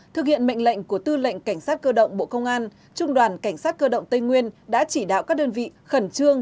thực hiện mệnh lệnh của tư lệnh cảnh sát cơ động bộ công an trung đoàn cảnh sát cơ động tây nguyên đã chỉ đạo các đơn vị khẩn trương